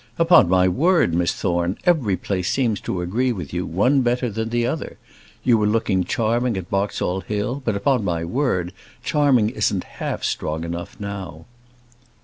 "Upon my word, Miss Thorne, every place seems to agree with you; one better than another. You were looking charming at Boxall Hill; but, upon my word, charming isn't half strong enough now."